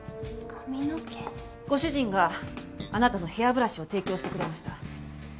ご主人があなたのヘアブラシを提供してくれました。